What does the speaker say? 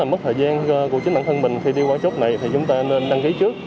mất thời gian của chính bản thân mình khi đi qua chốt này thì chúng ta nên đăng ký trước